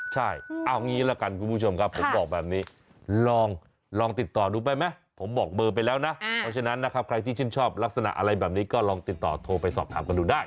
ใช่เอางี้ละกันคุณผู้ชมครับผมบอกแบบนี้ลองติดต่อดูไปไหมผมบอกเบอร์ไปแล้วนะเพราะฉะนั้นนะครับใครที่ชื่นชอบลักษณะอะไรแบบนี้ก็ลองติดต่อโทรไปสอบถามกันดูได้